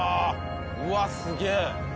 うわっすげえ！